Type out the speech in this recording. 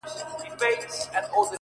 نړوم غرونه د تمي؛ له اوږو د ملایکو؛